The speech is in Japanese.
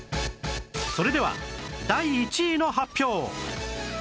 それでは第１位の発表